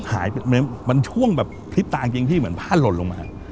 หายไปมันช่วงแบบพลิบตาจริงที่เหมือนผ้าหล่นลงมา